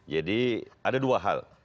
jadi ada dua hal